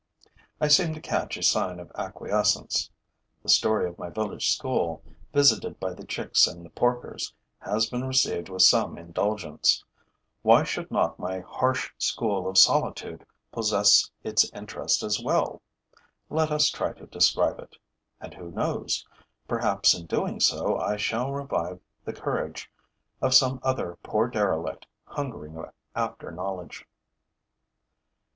I seem to catch a sign of acquiescence. The story of my village school, visited by the chicks and the porkers, has been received with some indulgence; why should not my harsh school of solitude possess its interest as well? Let us try to describe it. And who knows? Perhaps, in doing so, I shall revive the courage of some other poor derelict hungering after knowledge.